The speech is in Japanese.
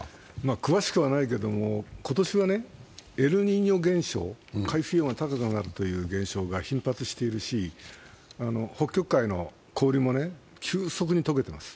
詳しくはないけども今年はエルニーニョ現象、海水温が高くなる現象が頻発しているし、北極海の氷も急速に解けています。